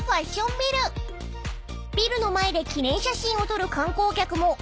［ビルの前で記念写真を撮る観光客も多いそう］